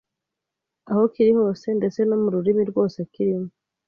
aho kiri hose ndetse no mururimi rwose kirimo